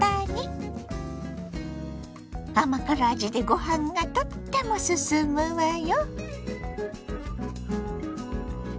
甘辛味でご飯がとってもすすむわよ。